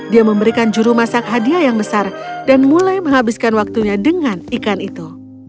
dia memberikan juru masak hadiah yang besar dan mulai menghabiskan waktunya dengan ikan itu